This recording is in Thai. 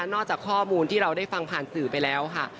จากข้อมูลที่เราได้ฟังผ่านสื่อไปแล้วค่ะ